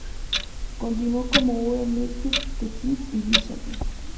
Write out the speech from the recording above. Continuó con Ure en Misfits, The Skids y Visage.